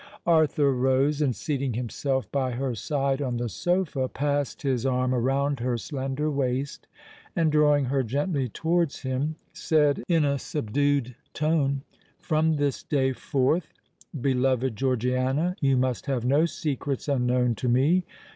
Arthur rose, and seating himself by her side on the sofa, passed his arm around her slender waist, and drawing her gently towards him, said in a subdued tone, "From this day forth, beloved Georgiana, you must have no secrets unknown to me.